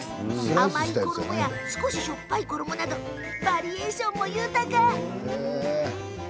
甘い衣や少ししょっぱい衣などバリエーション豊か。